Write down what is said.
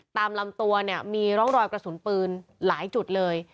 ตามลำตัวเนี่ยมีร่องรอยกระสุนปืนหลายจุดเลย